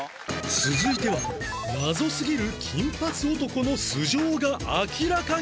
続いては謎すぎる金髪男の素性が明らかに！